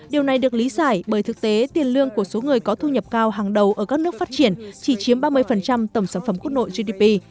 điều này được lý giải bởi thực tế tiền lương của số người có thu nhập cao hàng đầu ở các nước phát triển chỉ chiếm ba mươi tổng sản phẩm khuất nội gdp